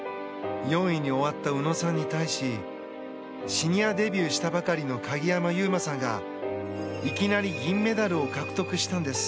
４位に終わった宇野さんに対しシニアデビューしたばかりの鍵山優真さんが、いきなり銀メダルを獲得したんです。